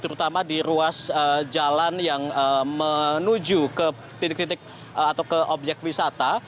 terutama di ruas jalan yang menuju ke titik titik atau ke objek wisata